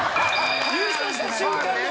優勝した瞬間の。